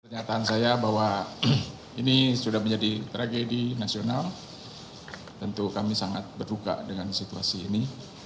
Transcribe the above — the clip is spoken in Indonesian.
pernyataan saya bahwa ini sudah menjadi tragedi nasional tentu kami sangat berduka dengan situasi ini